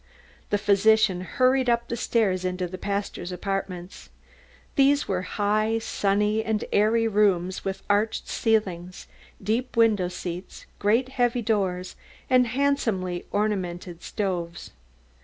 The physician hurried up the stairs into the pastor's apartments. These were high sunny and airy rooms with arched ceilings, deep window seats, great heavy doors and handsomely ornamented stoves.